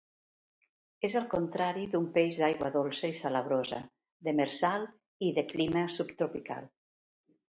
És el contrari d'un peix d'aigua dolça i salabrosa, demersal i de clima subtropical.